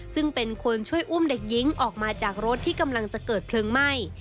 ซึ่งเป็นคนช่วยอุ้มเด็กหญิงออกมาจากรถที่กำลังจะเกิดเพลิงไหม้